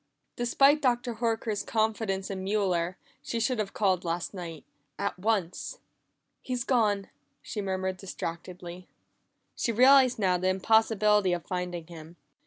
Despite Dr. Horker's confidence in Mueller, she should have called last night at once. "He's gone!" she murmured distractedly. She realized now the impossibility of finding him.